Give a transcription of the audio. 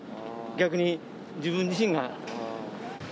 逆に自分自身が。